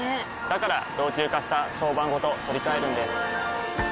から老朽化した床版ごと取り替えるんです。